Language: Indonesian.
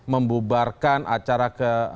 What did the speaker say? membubarkan acara ke